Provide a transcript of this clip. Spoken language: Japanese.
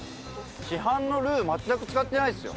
市販のルー、全く使ってないですよ。